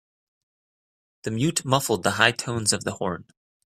The mute muffled the high tones of the horn.